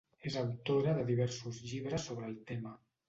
És autora de diversos llibres sobre el tema.